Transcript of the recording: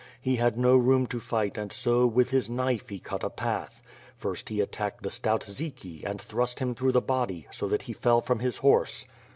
He had no room to fight and so, with his knife, he cut a path. First he attacked the stout Dziki and thrust him through the body, so that he fell from his horse.